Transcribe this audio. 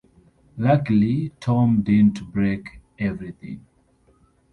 Luckily, Tom didn't break everything.